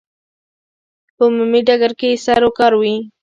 په عمومي ډګر کې یې سروکار وي.